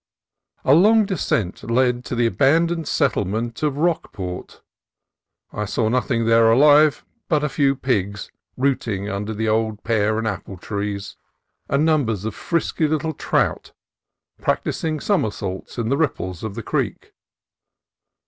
A long descent led to the abandoned settlement of Rockport. I saw nothing there alive but a few pigs rooting under the old pear and apple trees, and num bers of frisky little trout practising somersaults in FOREST AND FOXGLOVES 283 the ripples of the creek.